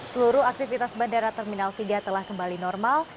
seluruh aktivitas bandara terminal tiga telah kembali normal